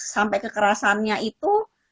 sampai kekerasannya itu